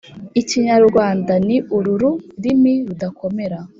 ikinyarwanda ni urururimi rudakomera